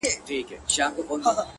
ه ټول ياران دې ولاړل له يارانو سره!!